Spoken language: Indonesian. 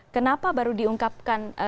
kenapa baru diungkapkan